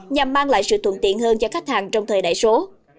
nhằm mang lại sự thuận tiện hơn cho khách hàng trong thời đại số